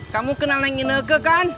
kamu kenal neng rika kan